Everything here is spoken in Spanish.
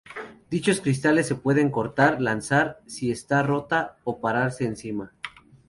Dichos cristales se pueden cortar, lanzar si está rota o pararse encima.